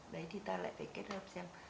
đấy thì ta lại phải kết hợp xem